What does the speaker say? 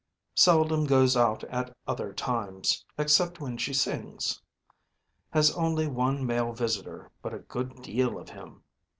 Seldom goes out at other times, except when she sings. Has only one male visitor, but a good deal of him.